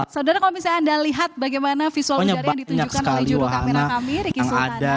saudara kalau misalnya anda lihat bagaimana visual dari yang ditunjukkan oleh juru kamera kami riki sultan